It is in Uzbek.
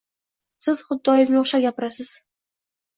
Siz xuddi oyimga o`xshab gapirasiz